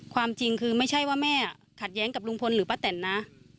ความจริงคือไม่ใช่ว่าแม่ขัดแย้งกับลุงพลหรือป้าแตนนะ